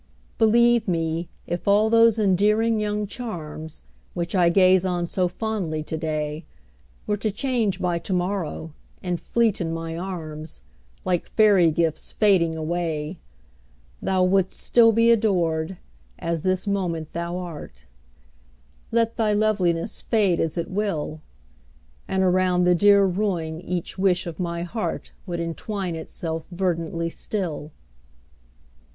Believe me, if all those endearing young charms, Which I gaze on so fondly today, Were to change by to morrow, and fleet in my arms, Like fairy gifts fading away, Thou wouldst still be adored, as this moment thou art. Let thy loveliness fade as it will. And around the dear ruin each wish of my heart Would entwine itself verdantly still.